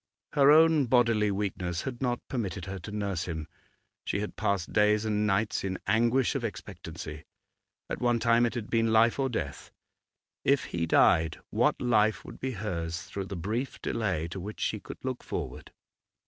Her own bodily weakness had not permitted her to nurse him; she had passed days and nights in anguish of expectancy. At one time it had been life or death. If he died, what life would be hers through the brief delay to which she could look forward?